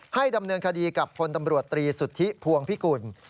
ดำเนินคดีกับพลตำรวจตรีสุทธิพวงพิกุล